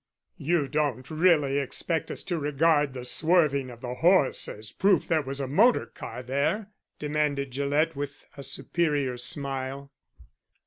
"You don't really expect us to regard the swerving of the horse as proof there was a motor car there?" demanded Gillett, with a superior smile.